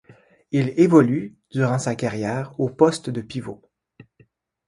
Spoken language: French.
Il évolue durant sa carrière au poste de pivot.